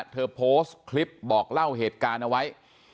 เธอโพสต์คลิปบอกเล่าเหตุการณ์เอาไว้